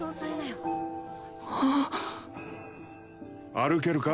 歩けるか？